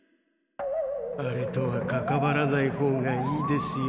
あれとはかかわらないほうがいいですよ。